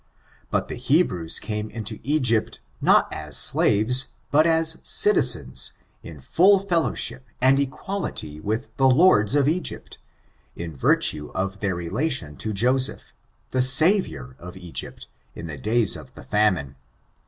But the Hebrews came into Egypt, not as staves, but as citizens, in full fellow ship and equality with the lords of Egypt, in virtue of their relation to Joseph, the savior of Egypt in the days of the famine.